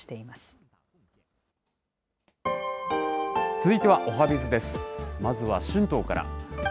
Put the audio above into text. まずは春闘から。